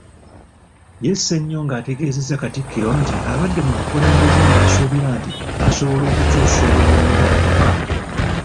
Ye Ssenyonga ategeezezza Katikkiro nti abadde mu bukulembeze ng'asuubira nti asobola okukyusa obulamu bw'abavubuka.